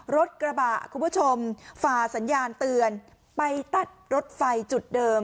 รถกระบะคุณผู้ชมฝ่าสัญญาณเตือนไปตัดรถไฟจุดเดิม